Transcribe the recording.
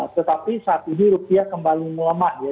tetapi saat ini rupiah kembali melemah ya